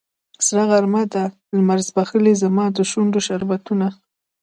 سره غرمه ده لمر ځبیښلې زما د شونډو شربتونه